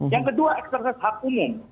yang kedua eksersis hak umum